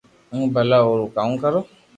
ھون ڀلا او رو ڪاو ڪرو